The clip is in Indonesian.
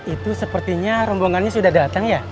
itu sepertinya rombongannya sudah datang ya